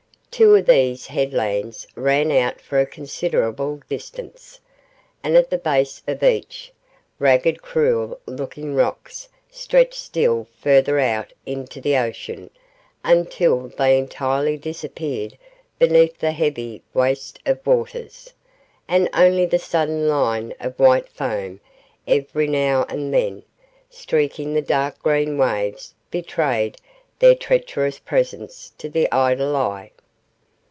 Two of these headlands ran out for a considerable distance, and at the base of each, ragged cruel looking rocks stretched still further out into the ocean until they entirely disappeared beneath the heaving waste of waters, and only the sudden line of white foam every now and then streaking the dark green waves betrayed their treacherous presence to the idle eye.